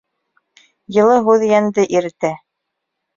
Йылы һүҙ йәнде иретә.